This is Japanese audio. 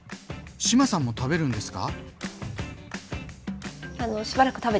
志麻さんも食べるんですか？